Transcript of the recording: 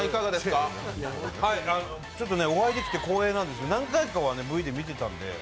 ちょっとお会いできて光栄なんです、何回かはＶで見てたんで。